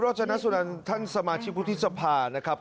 โรจนัสสุดันท่านสมาชิกพุทธศพานะครับ